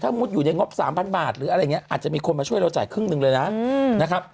มุติอยู่ในงบ๓๐๐บาทหรืออะไรอย่างนี้อาจจะมีคนมาช่วยเราจ่ายครึ่งหนึ่งเลยนะครับ